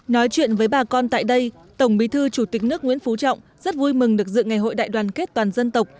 nói chuyện với bà con tại đây tổng bí thư chủ tịch nước nguyễn phú trọng rất vui mừng được dự ngày hội đại đoàn kết toàn dân tộc